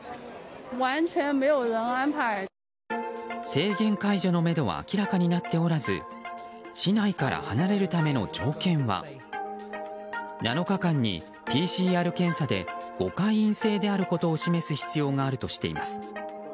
制限解除のめどは明らかになっておらず市内から離れるための条件は７日間にＰＣＲ検査で５回、陰性であることを示す必要があるとしています。